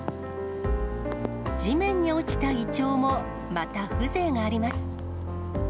地面に落ちたイチョウも、また風情があります。